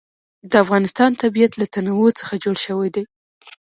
د افغانستان طبیعت له تنوع څخه جوړ شوی دی.